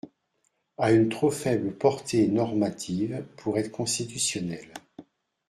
»– a une trop faible portée normative pour être constitutionnelle.